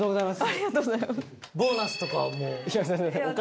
ありがとうございます。